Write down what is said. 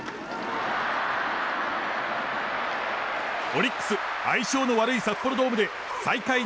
オリックス相性の悪い札幌ドームで最下位